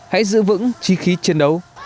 hãy giữ vững chi khí chiến đấu